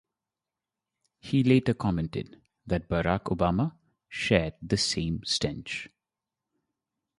He later commented that Barack Obama "shared the same stench".